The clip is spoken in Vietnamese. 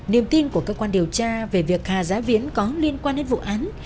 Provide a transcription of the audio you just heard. niềm tin của cơ quan điều tra về việc hà giám viễn có liên quan đến vụ án